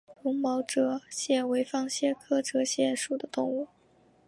绒毛折颚蟹为方蟹科折颚蟹属的动物。